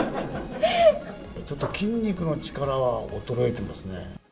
ちょっと筋肉の力は衰えてますね。